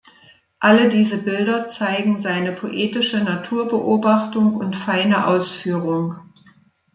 Alle diese Bilder zeigen seine poetische Naturbeobachtung und feine Ausführung.